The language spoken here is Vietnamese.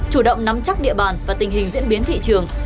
chủ động nắm chắc địa bàn và tình hình diễn biến thị trường